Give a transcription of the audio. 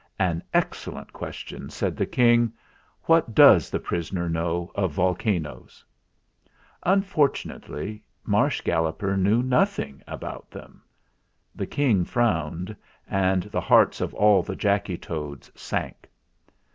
"An excellent question," said the King. "What does the prisoner know of volcanoes?" Unfortunately Marsh Galloper knew noth ing about them; the King frowned, and the hearts of all the Jacky Toads sank.